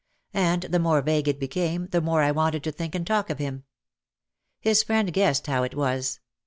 And the more vague it became the more I wanted to think and talk of him. His friend guessed how it was.